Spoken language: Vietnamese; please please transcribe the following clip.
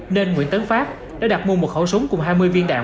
nên nguyễn tấn pháp đã đặt mua một khẩu súng cùng hai mươi viên đạn